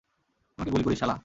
আমাকে গুলি করিস, শালা?